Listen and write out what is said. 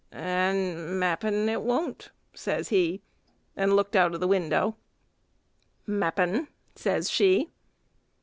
"And m'appen it won't," says he, and looked out o' the window. "M'appen," says she.